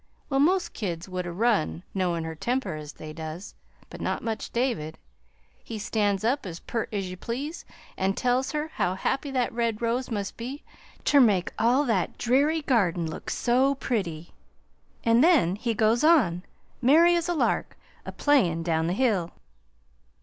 Well, most kids would 'a' run, knowin' her temper as they does, but not much David. He stands up as pert as ye please, an' tells her how happy that red rose must be ter make all that dreary garden look so pretty; an' then he goes on, merry as a lark, a playin' down the hill.